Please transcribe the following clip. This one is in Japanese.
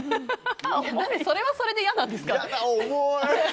それはそれで嫌ですかね。